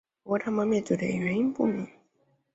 有关它们灭绝的原因不明。